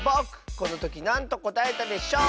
このときなんとこたえたでしょう？